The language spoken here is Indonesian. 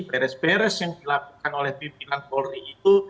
beres beres yang dilakukan oleh pimpinan polri itu